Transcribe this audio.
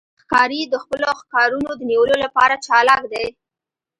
ښکاري د خپلو ښکارونو د نیولو لپاره چالاک دی.